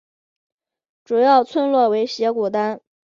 主要村落为斜古丹。